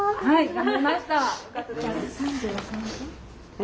はい。